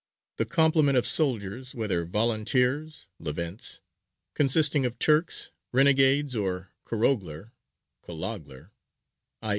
The complement of soldiers, whether volunteers (levents), consisting of Turks, renegades, or Kuroghler (Kuloghler) _i.